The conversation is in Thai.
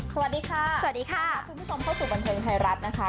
สวัสดีค่ะสวัสดีค่ะรับคุณผู้ชมเข้าสู่บันเทิงไทยรัฐนะคะ